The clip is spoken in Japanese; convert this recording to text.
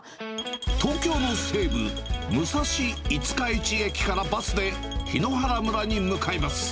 東京の西部、武蔵五日市駅からバスで檜原村に向かいます。